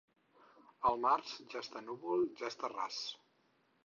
En març, ja està núvol, ja està ras.